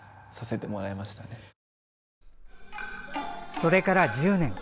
それから１０年。